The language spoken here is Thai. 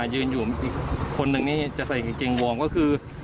ยืนอยู่คนหนึ่งนี่จะใส่เกงวอร์มก็คือ